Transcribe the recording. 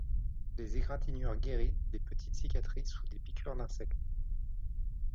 Des égratignures guéries, des petites cicatrices ou des piqûres d'insecte.